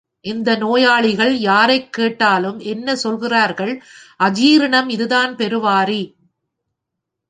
இந்த நோயாளிகள் யாரைக் கேட்டாலும் என்ன சொல்கிறார்கள் அஜீர்ணம் இதுதான் பெருவாரி.